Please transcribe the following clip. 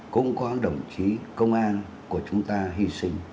cũng có đồng chí công an của chúng ta hy sinh